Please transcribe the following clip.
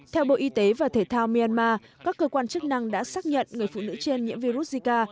theo bộ y tế và thể thao myanmar các cơ quan chức năng đã xác nhận người phụ nữ trên nhiễm virus zika